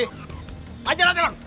hajar aja bang